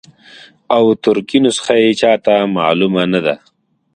او ترکي نسخه یې چاته معلومه نه ده.